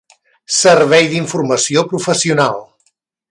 Servei d'informació professional